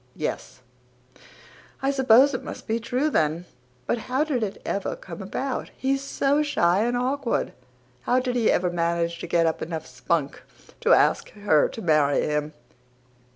"Yes." "I suppose it must be true then. But how did it ever come about? He's SO shy and awkward. How did he ever manage to get up enough spunk to ask her to marry him?"